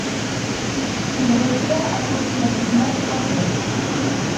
Il requiert approximativement trois heures.